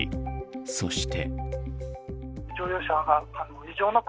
そして。